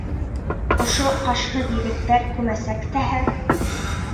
Ошо ҡашһыҙ егеттәр күмәсәк тәһә.